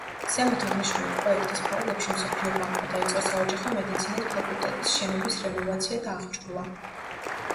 ზემოთ აღნიშნული პროექტის ფარგლებში მსოფლიო ბანკმა დაიწყო საოჯახო მედიცინის ფაკულტეტის შენობის რენოვაცია და აღჭურვა.